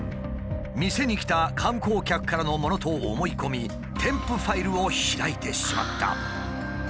店に来た観光客からのものと思い込み添付ファイルを開いてしまった。